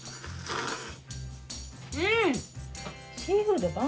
うん！